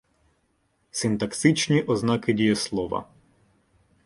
Синтаксичні ознаки дієслова